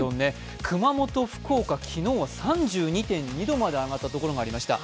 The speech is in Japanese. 熊本、福岡、昨日は３２．２度まで上がったところがありました。